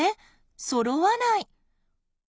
そろわない。